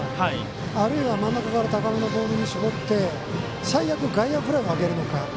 あるいは、真ん中から高めのボールに絞って最悪、外野フライを上げるのか。